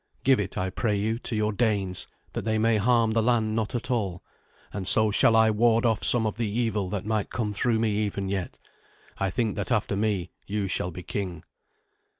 Give it, I pray you, to your Danes, that they may harm the land not at all, and so shall I ward off some of the evil that might come through me even yet. I think that, after me, you shall be king.'"